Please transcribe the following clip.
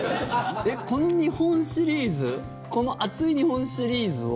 この日本シリーズこの熱い日本シリーズを。